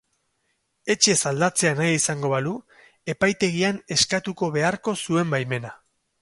Etxez aldatzea nahi izango balu, epaitegian eskatuko beharko zuen baimena.